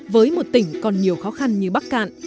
với một tỉnh còn nhiều khó khăn như bắc cạn